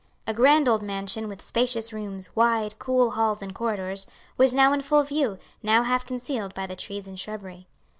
The house a grand old mansion with spacious rooms, wide cool halls and corridors was now in full view, now half concealed by the trees and shrubbery.